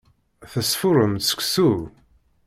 Tesfurrem-d seksu?